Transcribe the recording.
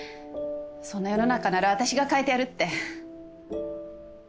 そんな世の中なら私が変えてやるって。